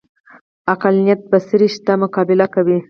عقلانیت بڅري شته مقابله کوي